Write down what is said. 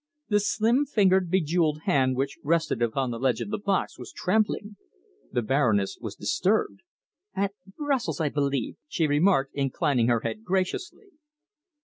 The slim fingered, bejewelled hand which rested upon the ledge of the box was trembling. The Baroness was disturbed. "At Brussels, I believe," she remarked, inclining her head graciously.